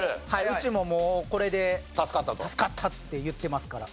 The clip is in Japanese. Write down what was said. うちももうこれで助かったって言ってますから。